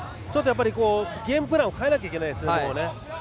ゲームプランを変えなきゃいけないですね。